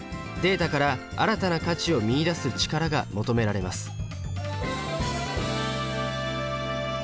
データから新たな価値を見いだす力が求められます。